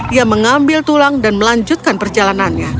ia mengambil tulang dan melanjutkan perjalanannya